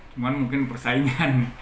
cuma mungkin persaingan